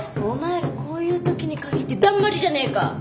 お前らこういう時に限ってだんまりじゃねか！